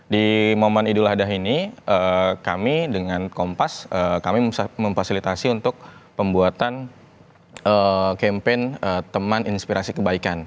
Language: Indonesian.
di momen idul adha ini kami dengan kompas kami memfasilitasi untuk pembuatan campaign teman inspirasi kebaikan